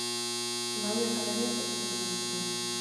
Soldaduek, halere, preso atzeman zuten.